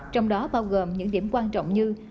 trong đó bao gồm những điểm quan trọng như